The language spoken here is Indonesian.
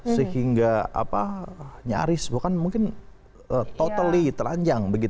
sehingga nyaris bahkan mungkin totally terlanjang